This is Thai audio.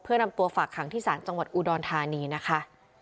เพื่อนำตัวฝากขังที่ศาลจังหวัดอุดรธานีนะคะ